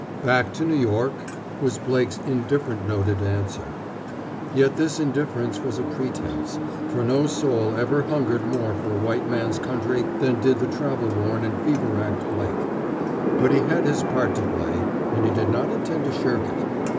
"Back to New York," was Blake's indifferent noted answer. Yet this indifference was a pretense, for no soul had ever hungered more for a white man's country than did the travel worn and fever racked Blake. But he had his part to play, and he did not intend to shirk it.